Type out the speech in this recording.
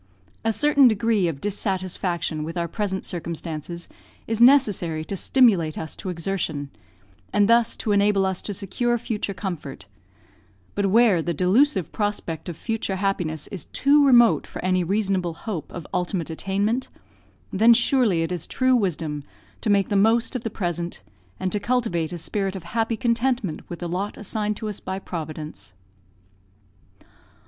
A certain degree of dissatisfaction with our present circumstances is necessary to stimulate us to exertion, and thus to enable us to secure future comfort; but where the delusive prospect of future happiness is too remote for any reasonable hope of ultimate attainment, then surely it is true wisdom to make the most of the present, and to cultivate a spirit of happy contentment with the lot assigned to us by Providence.